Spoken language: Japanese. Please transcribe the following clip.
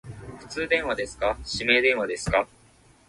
ホラふたりだけの静かな夜を